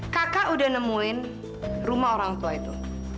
kakak udah nemuin rumah orang tua itu